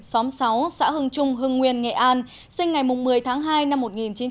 xóm sáu xã hưng trung hưng nguyên nghệ an sinh ngày một mươi tháng hai năm một nghìn chín trăm bảy mươi